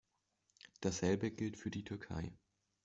Dasselbe gilt für die Türkei.